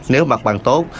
nếu mặt bằng tốt